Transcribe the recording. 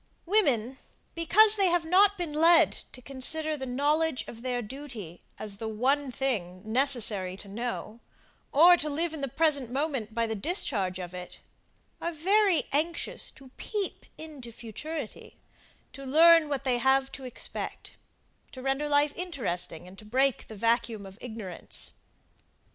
Women, because they have not been led to consider the knowledge of their duty as the one thing necessary to know, or, to live in the present moment by the discharge of it, are very anxious to peep into futurity, to learn what they have to expect to render life interesting, and to break the vacuum of ignorance.